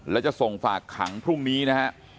แล้วจะส่งฝากขังพรุ่งนี้นะครับ